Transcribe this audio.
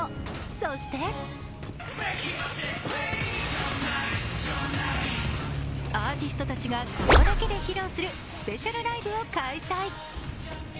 そしてアーティストたちがここだけで披露するスペシャルライブを開催。